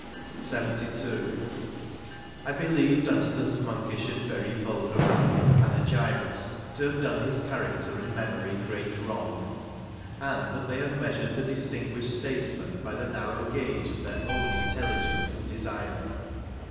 144 LXXII. " I BELIEVE Dunstan's monkish and very vulgar minded panegyrists to have done his character and memory great wrong ; and that they have measured the distinguished statesman hy the narrow gauge of their own intelligence and desire.